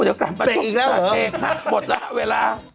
เดี๋ยวกลับมาชมเบรกนะหมดแล้วเวลา